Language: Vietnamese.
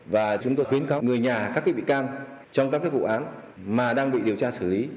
và chúng tôi khuyến kháo người nhà các bị can trong các vụ án mà đang bị điều tra xử lý